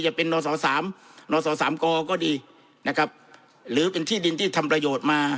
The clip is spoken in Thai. จะเป็นนส๓ก็ดีหรือเป็นที่ดินที่ทำประโยชน์มา